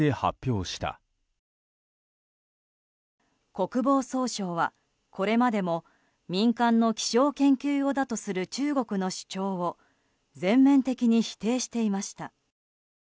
国防総省は、これまでも民間の気象研究用だとする中国の主張を全面的に否定していました。